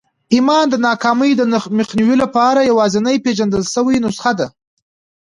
ايمان د ناکامۍ د مخنيوي لپاره يوازېنۍ پېژندل شوې نسخه ده.